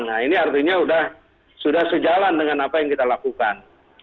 nah ini artinya sudah sejalan dengan apa yang kita lakukan